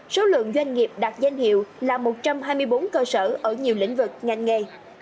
số lượng doanh nghiệp đạt danh hiệu là một trăm hai mươi bốn cơ sở ở nhiều lĩnh vực ngành nghề